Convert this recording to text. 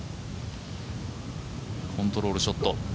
コントロールショット。